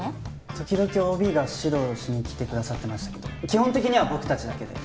時々ＯＢが指導しに来てくださってましたけど基本的には僕たちだけで。